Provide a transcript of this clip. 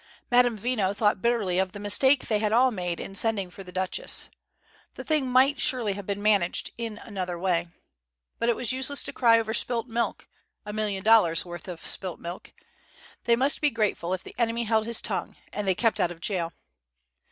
Madame Veno thought bitterly of the mistake they had all made in sending for the Duchess. The thing might surely have been managed in another way! But it was useless to cry over spilt milk a million dollars' worth of spilt milk! They must be grateful if the Enemy held his tongue, and they kept out of jail.